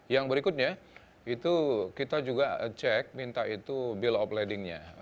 yang berikutnya itu kita juga cek minta itu bill of lading nya